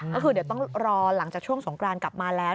ก็คือเดี๋ยวต้องรอหลังจากช่วงสงกรานกลับมาแล้ว